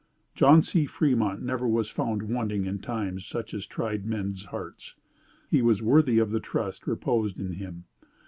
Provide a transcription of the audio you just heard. John C. Fremont never was found wanting in times such as tried men's hearts. He was worthy of the trust reposed in him.